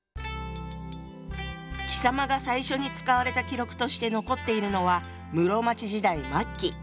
「貴様」が最初に使われた記録として残っているのは室町時代末期。